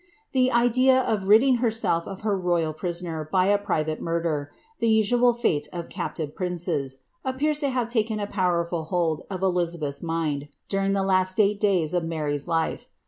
' le idea of ridding herself of her royal prisoner by a private murder, soal fate of captive princes, appears to have taken a powerful hold lizabeth's mind, during the last eight days of Mary's life.